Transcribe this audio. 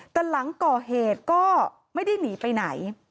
แต่หลังก่อเหตุก็ไม่ได้หนีไปไหน